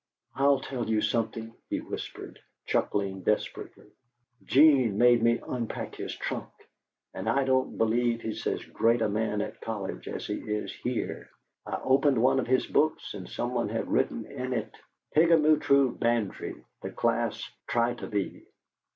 "I'll tell you something," he whispered, chuckling desperately. "'Gene made me unpack his trunk, and I don't believe he's as great a man at college as he is here. I opened one of his books, and some one had written in it, 'Prigamaloo Bantry, the Class Try To Be'!